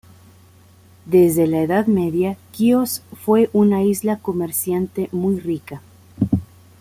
Desde la Edad Media, Quíos fue una isla comerciante muy rica.